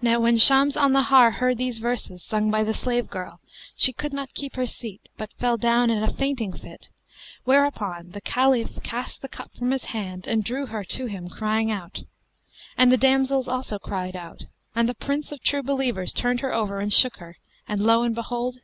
Now when Shams al Nahar heard these verses sung by the slave girl, she could not keep her seat; but fell down in a fainting fit whereupon the Caliph cast the cup from his hand and drew her to him crying out; and the damsels also cried out, and the Prince of True Believers turned her over and shook her, and lo and behold!